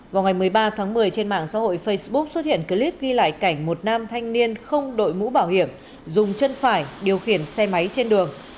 vào ngày một mươi ba tháng một mươi trên mạng xã hội facebook xuất hiện clip ghi lại cảnh một nam thanh niên không đội mũ bảo hiểm dùng chân phải điều khiển xe máy trên đường